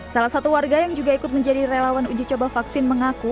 salah satu warga yang juga ikut menjadi relawan uji coba vaksin mengaku